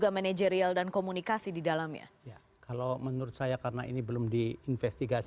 manajerial dan komunikasi di dalamnya ya kalau menurut saya karena ini belum diinvestigasi